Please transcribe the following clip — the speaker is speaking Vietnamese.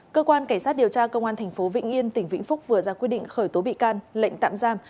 cơ quan cảnh sát điều tra công an tp vĩnh yên tỉnh vĩnh phúc vừa ra quyết định khởi tố bị can lệnh tạm giam